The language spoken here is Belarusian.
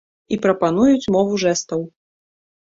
І прапануюць мову жэстаў.